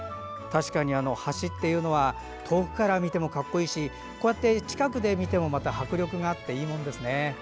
確かに橋っていうのは遠くから見ても格好いいしこうやって近くで見てもまた迫力があっていいものですね。